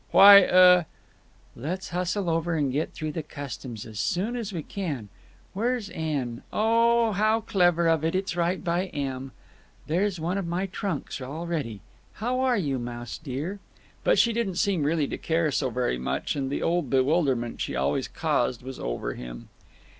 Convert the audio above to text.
"Why—uh—" "Let's hustle over and get through the customs as soon as we can. Where's N? Oh, how clever of it, it's right by M. There's one of my trunks already. How are you, Mouse dear?" But she didn't seem really to care so very much, and the old bewilderment she always caused was over him.